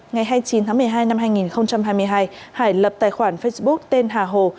ngày hai mươi chín tháng một mươi hai năm hai nghìn hai mươi hai hải lập tài khoản facebook tên hà hồ